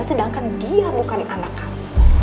sedangkan dia bukan anak kami